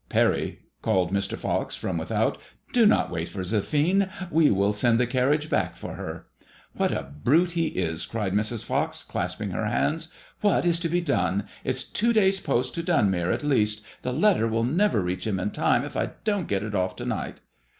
" Parry," called Mr. Fox from without, "do not wait for Zephine. We will send the carriage back for her." " What a brute he is !" cried Mrs. Fox, clasping her hands. " What is to be done ? It's two days' post to Dunmere at least. The letter will never reach him in time, if I don't get it off to night."